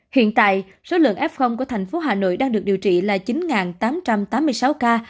hiện tại số lượng f của thành phố hà nội đang được điều trị là chín tám trăm tám mươi sáu ca